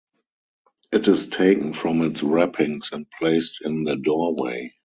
It is taken from its wrappings and placed in the doorway.